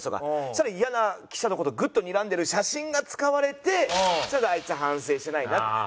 そしたらイヤな記者の事グッとにらんでる写真が使われて「あいつ反省してないな」と。